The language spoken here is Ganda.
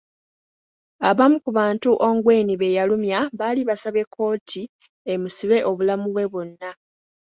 Abamu ku bantu Ongwen be yalumya baali basabye kkooti emusibe obulamu bwe bwonna.